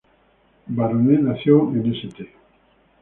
Barone nació en St.